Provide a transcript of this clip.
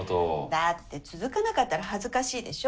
だって続かなかったら恥ずかしいでしょ。